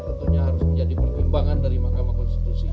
tentunya harus menjadi pertimbangan dari mahkamah konstitusi